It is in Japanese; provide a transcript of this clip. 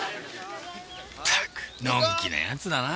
ったくのんきな奴だな。